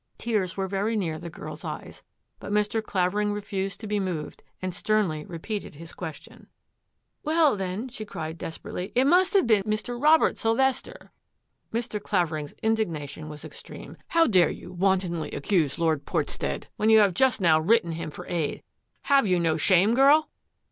Tears were very near the girl's eyes, but Mr. Clavering refused to be moved and sternly repeated his question. 820 THAT AFFAIR AT THE MANOR " Well, then," she cried desperately, " it must have been Mr. Robert Sylvester !'' Mr. Clavering's indignation was extreme. " How dare you wantonly accuse Lord Portstead when you have just now written him for aid? Have you no shame, girl?